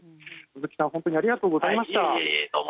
鈴木さんありがとうございました。